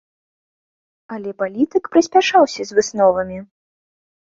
Але палітык паспяшаўся з высновамі.